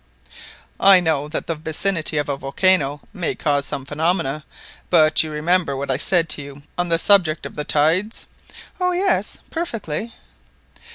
I know that the vicinity of a volcano may cause some phenomena; but you remember what I said to you on the subject of the tides?" "Oh yes, perfectly."